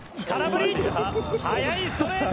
速いストレート。